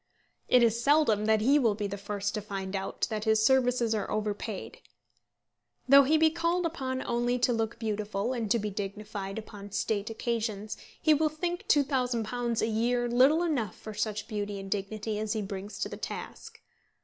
It is seldom that he will be the first to find out that his services are overpaid. Though he be called upon only to look beautiful and to be dignified upon State occasions, he will think £2000 a year little enough for such beauty and dignity as he brings to the task.